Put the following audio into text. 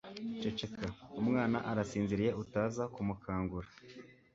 Ceceka. Umwana arasinziriye utaza kumukangura.